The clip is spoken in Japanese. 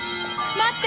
待って！！